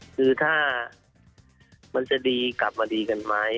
คือถ้ามันจะดีกลับมาดีกันไหม